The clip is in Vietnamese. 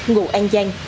ngụ an giang